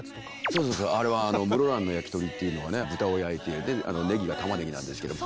そうそうあれは室蘭のやきとりっていうのはね豚を焼いてねぎが玉ねぎなんですけど。